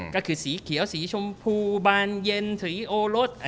ก็คือสีเขียวสีชมพูบานเย็นถุยโอรส